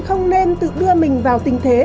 không nên tự đưa mình vào tình thế